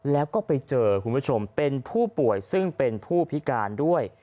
แล้วก็ไปเจอคุณผู้ชมเป็นผู้ป่วยซึ่งเป็นผู้พิการด้วย